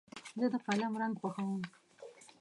زه د قلم رنګ خوښوم.